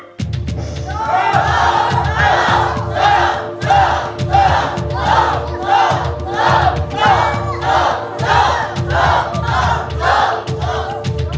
สู้สู้